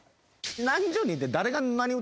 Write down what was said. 何十人って。